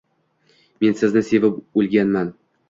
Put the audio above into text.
Men sizni sevib oʻlganman.